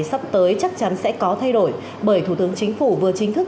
sắp tới chắc chắn sẽ có thay đổi bởi thủ tướng chính phủ vừa chính thức